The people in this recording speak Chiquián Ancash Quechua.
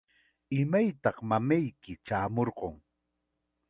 ¿Imaytaq mamayki chaamurqun?